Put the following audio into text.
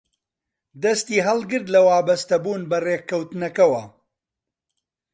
دەستی هەڵگرت لە وابەستەبوونی بە ڕێککەوتنەکەوە